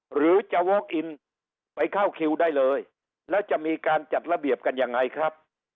หรือจะวอคอินไปเข้าคิวได้เลยแล้วจะมีการจัดระเบียบกันยังไงครับ